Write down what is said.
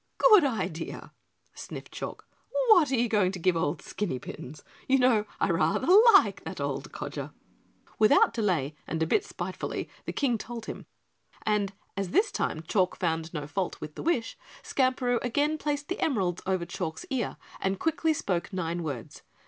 "Good idea," sniffed Chalk. "What are you going to give old Skinny Pins? You know I rather like that old codger." Without delay and a bit spitefully the King told him, and as this time Chalk found no fault with the wish, Skamperoo again placed the emeralds over Chalk's ear and quickly spoke nine words.